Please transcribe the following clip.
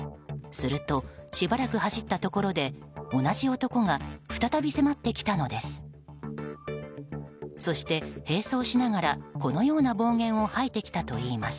すると、しばらく走ったところで同じ男が再び迫ってきたのです。